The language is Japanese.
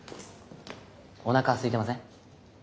おなかすいてません？